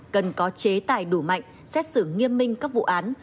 cần có chế tài đủ mạnh xét xử nghiêm minh các vụ án